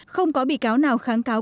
không có bị cáo nào kháng cáo